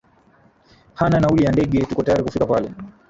hana nauli ya ndege tuko tayari kufika pale